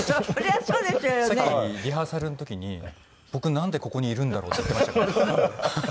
さっきリハーサルの時に「僕なんでここにいるんだろう？」って言ってましたからね。